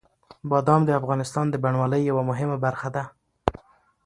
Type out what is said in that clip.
بادام د افغانستان د بڼوالۍ یوه مهمه برخه ده.